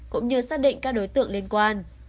cũng như xác định các đối tượng liên quan